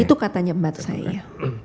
itu katanya pembantu saya iya